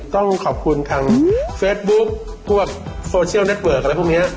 ต้องขอบคุณทางเฟซบุ๊คพวกโซเชียลเน็ตเวิร์กอะไรพวกนี้